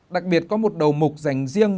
đặc biệt có một đầu mục dành riêng